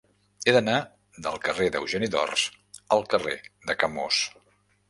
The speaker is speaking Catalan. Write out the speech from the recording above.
He d'anar del carrer d'Eugeni d'Ors al carrer de Camós.